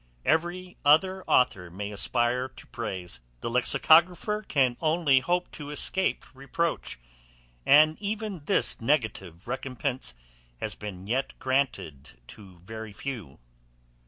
Every other authour may aspire to praise; the lexicographer can only hope to escape reproach, and even this negative recompense has been yet granted to very few.